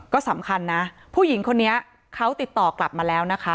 ก็สำคัญนะผู้หญิงคนนี้เขาติดต่อกลับมาแล้วนะคะ